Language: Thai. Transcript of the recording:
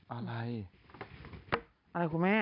อะไรครับคุณแม่